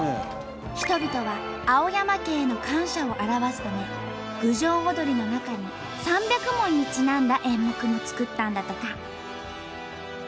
人々は青山家への感謝を表すため郡上踊りの中に３００文にちなんだ演目も作ったんだとか。